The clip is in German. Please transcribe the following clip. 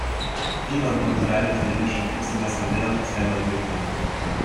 Viermal konnte Rainer italienischer Vizemeister werden, zweimal Dritter.